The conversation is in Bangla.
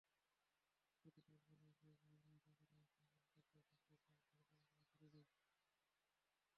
প্রতিবেদনে বলা হয়, মোহনা হাসপাতালের কার্যক্রম পরিচালনার সরকারের অনুমোদন ছিল না।